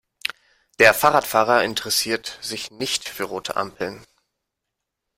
Der Fahrradfahrer interessiert sich nicht für rote Ampeln.